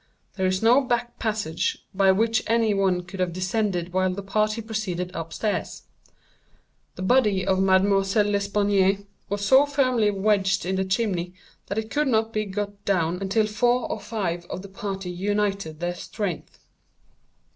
There is no back passage by which any one could have descended while the party proceeded up stairs. The body of Mademoiselle L'Espanaye was so firmly wedged in the chimney that it could not be got down until four or five of the party united their strength.